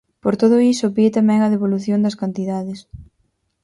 Por todo iso, pide tamén a devolución das cantidades.